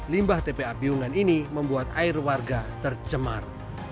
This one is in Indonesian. limbah tpa piungan ini membuat air warga tercemar